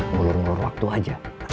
ngulur ngulur waktu aja